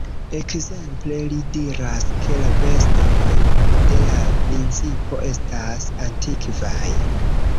Ekzemple, li diras, ke la vestoj de la princino estas antikvaj.